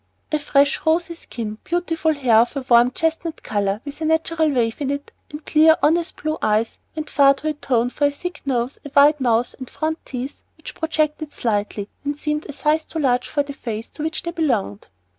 A fresh, rosy skin, beautiful hair of a warm, chestnut color, with a natural wave in it, and clear, honest, blue eyes, went far to atone for a thick nose, a wide mouth, and front teeth which projected slightly and seemed a size too large for the face to which they belonged.